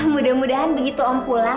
mudah mudahan begitu om pulang